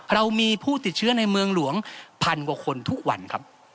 เรามีผู้ติดเชื้อในเมืองหลวงพันกว่าคนทุกวันครับ